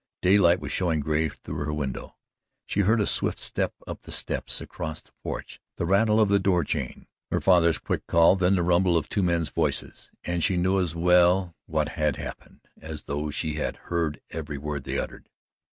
Daylight was showing gray through her window. She heard a swift step up the steps, across the porch, the rattle of the door chain, her father's quick call, then the rumble of two men's voices, and she knew as well what had happened as though she had heard every word they uttered.